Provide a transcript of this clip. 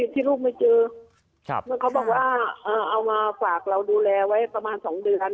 ที่ลูกไม่เจอเมื่อเขาบอกว่าเอามาฝากเราดูแลไว้ประมาณ๒เดือน